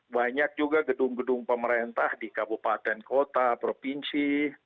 banyak juga gedung gedung pemerintah di kabupaten kota provinsi